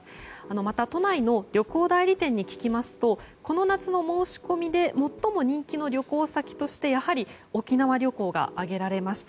また、都内の旅行代理店に聞きますとこの夏の申し込みで最も人気の旅行先としてやはり沖縄旅行が挙げられました。